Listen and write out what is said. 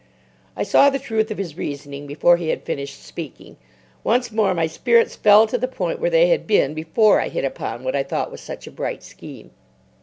I saw the truth of his reasoning before he had finished speaking. Once more my spirits fell to the point where they had been before I hit upon what I thought was such a bright scheme.